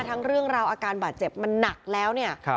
เรื่องราวอาการบาดเจ็บมันหนักแล้วเนี่ย